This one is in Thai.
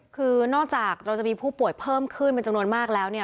คือนอกจากเราจะมีผู้ป่วยเพิ่มขึ้นเป็นจำนวนมากแล้วเนี่ย